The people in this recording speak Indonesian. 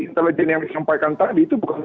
intelijen yang disampaikan tadi itu bukan